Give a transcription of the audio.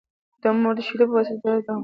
د مور د شېدو په وسيله د تغذيې دوام